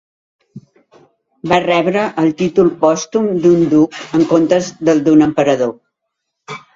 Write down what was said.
Va rebre el títol pòstum d'un duc en comptes del d'un emperador.